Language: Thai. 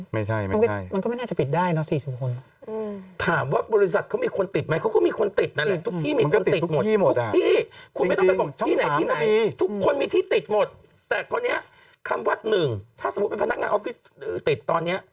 แต่คนนี้คำวัดหนึ่งถ้าสมมุติเป็นพนักงานออฟฟิศติดตอนนี้